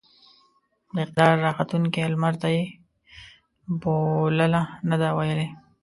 د اقتدار راختونکي لمرته يې بولـله نه ده ويلې.